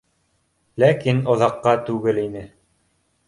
Ләкин оҙаҡҡа түгел ине